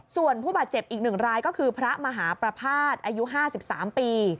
ส่วนผู้บาดเจ็บอีก๑รายก็คือพระมหาประภาษณ์อายุ๕๓ปี